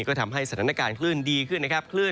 ก็ทำให้สถานการณ์คลื่นดีขึ้นนะครับคลื่น